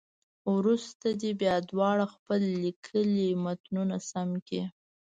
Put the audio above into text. وروسته دې بیا دواړه خپل لیکلي متنونه سم کړي.